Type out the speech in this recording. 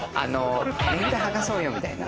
値札剥がそうよみたいな。